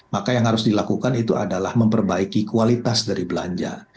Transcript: maka yang harus dilakukan itu adalah memperbaiki kualitas dari belanja